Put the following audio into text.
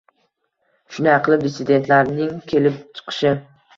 Shunday qilib, “dissidentlar”ning kelib chiqishi